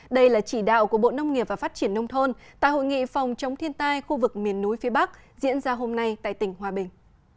đây là chỉ đạo của bộ nông nghiệp và phát triển nông thôn tại hội nghị phòng chống thiên tai khu vực miền núi phía bắc diễn ra hôm nay tại tỉnh hòa bình